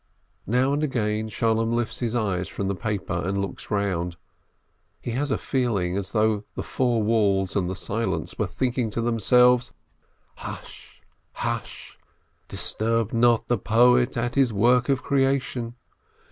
Now and again Sholem lifts his eyes from the paper and looks round, he has a feeling as though the four walls and the silence were thinking to themselves: "Hush, hush! Disturb not the poet at his work of creation!